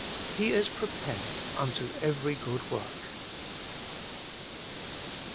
He is prepared unto every good work.